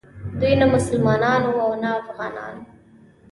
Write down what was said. دوی نه مسلمانان وو او نه افغانان.